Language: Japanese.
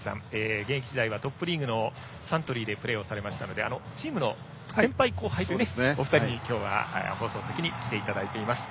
現役時代はトップリーグのサントリーでプレーされたのでチームの先輩・後輩というお二人に今日は放送席に来ていただいています。